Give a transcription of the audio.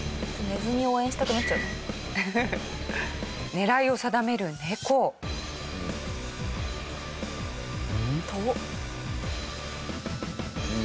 狙いを定める猫。と。